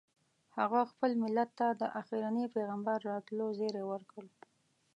هغه خپل ملت ته د اخرني پیغمبر راتلو زیری ورکړ.